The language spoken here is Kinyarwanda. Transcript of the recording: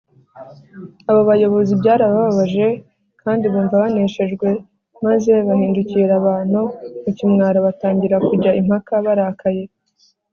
abo bayobozi byarabababaje kandi bumva baneshejwe, maze bahindukirira abantu mu kimwaro batangira kujya impaka barakaye